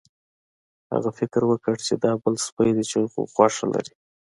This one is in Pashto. هغه فکر وکړ چې دا بل سپی دی چې غوښه لري.